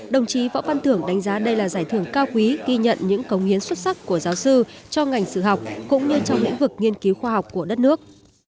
đồng chí võ văn thưởng đánh giá đây là giải thưởng cao quý ghi nhận những cống hiến xuất sắc của giáo sư cho ngành sử học cũng như trong lĩnh vực nghiên cứu khoa học của đất nước